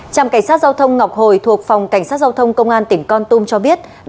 trạm cảnh sát giao thông ngọc hồi thuộc phòng cảnh sát giao thông công an tỉnh con tum cho biết